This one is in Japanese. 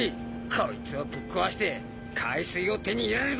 こいつをぶっ壊して海水を手に入れるぞ。